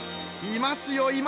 いますよ